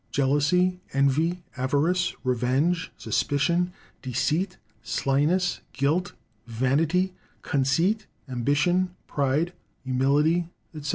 Jealousy, Envy, Avarice, Revenge, Suspicion, Deceit, Slyness, Guilt, Vanity, Conceit, Ambition, Pride, Humility, &c.